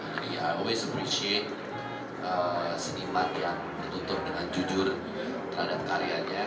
jadi i always appreciate seniman yang bertutur dengan jujur terhadap karyanya